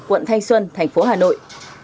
quận thanh xuân thành phố hà nội